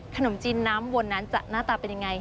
ขนมจีนน้ำวนนั้นจะหน้าตาเป็นยังไง